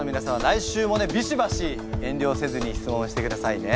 来週もねビシバシ遠慮をせずに質問をしてくださいね。